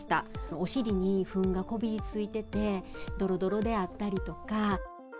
お尻にふんがこびりついてて、どろどろであったりとか。